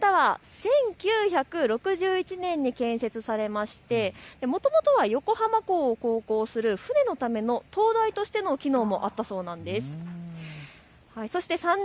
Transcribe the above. １９６１年に建設されまして、もともとは横浜港を航行する船のための高台としての機能もあったそうなんです。